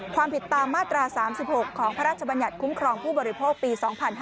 ความผิดตามมาตรา๓๖ของพระราชบัญญัติคุ้มครองผู้บริโภคปี๒๕๕๙